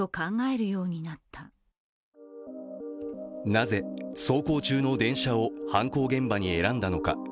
なぜ走行中の電車を犯行現場に選んだのか。